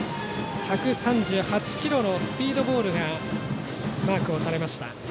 １３８キロのスピードボールがマークされました。